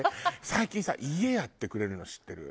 最近さ家やってくれるの知ってる？